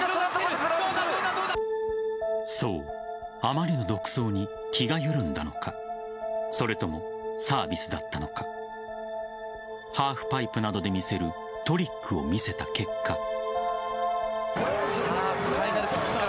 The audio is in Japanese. そう、あまりの独走に気が緩んだのかそれともサービスだったのかハーフパイプなどで見せるトリックを見せた結果。